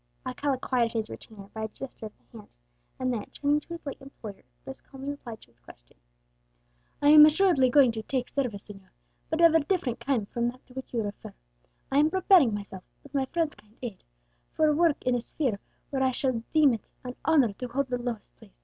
Alcala quieted his retainer by a gesture of the hand; and then, turning to his late employer, thus calmly replied to his question, "I am assuredly going to take service, señor, but of a different kind from that to which you refer. I am preparing myself, with my friend's kind aid, for work in a sphere where I shall deem it an honour to hold the lowest place.